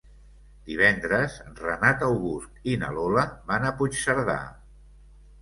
Divendres en Renat August i na Lola van a Puigcerdà.